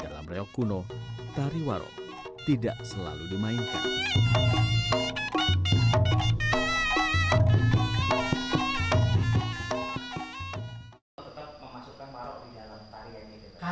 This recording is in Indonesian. dalam reok kuno tariwaro tidak selalu dimainkan